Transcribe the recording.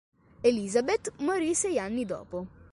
Elizabeth morì sei anni dopo.